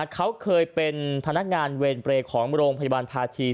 เขาเคยเป็นพนักงานเวรเปรย์ของโรงพยาบาลภาชี